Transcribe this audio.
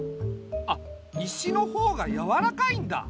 あ石の方がやわらかいんだ。